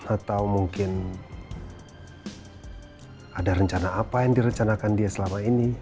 atau mungkin ada rencana apa yang direncanakan dia selama ini